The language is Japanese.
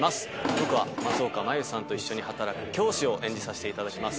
僕は松岡茉優さんと一緒に働く教師を演じさせていただきます。